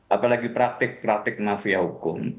apalagi praktik praktik mafia hukum